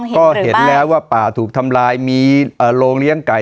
ก็เห็นแล้วว่าป่าถูกทำลายมีโรงเลี้ยงไก่